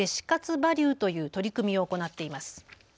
ＶＡＬＵＥという取り組みを行っています。